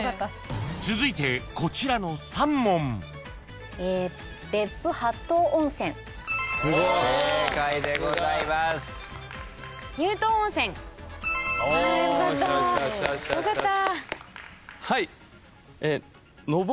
［続いてこちらの３問］よかった。